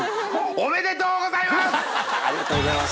ありがとうございます。